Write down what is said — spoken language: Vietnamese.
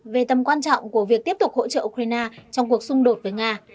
về tầm quan trọng của việc tiếp tục hỗ trợ ukraine trong cuộc xung đột với nga